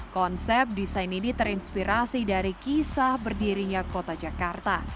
konsep desain ini terinspirasi dari kisah berdirinya kota jakarta